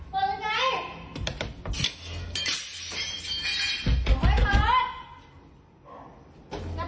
เปิดไง